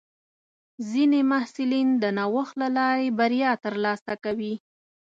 ځینې محصلین د نوښت له لارې بریا ترلاسه کوي.